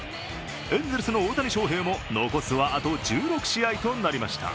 エンゼルスの大谷翔平も残すはあと１６試合となりました。